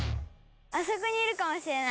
あそこにいるかもしれない。